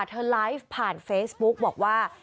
เธอไลฟ์ผ่านเฟซบุ๊กบอกว่า